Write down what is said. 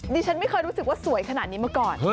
ดิฉันไม่เคยรู้สึกว่าสวยขนาดนี้มาก่อน